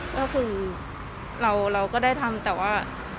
ก็คือเราก็ได้ทำแต่ว่า